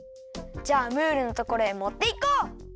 じゃあムールのところへもっていこう！